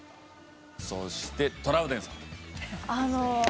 そしてトラウデンさん。